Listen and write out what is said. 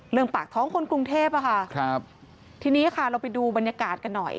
เรื่องปากท้องคนกรุงเทพค่ะค่ะที่นี่ค่ะเราไปดูบรรยากาศกันหน่อย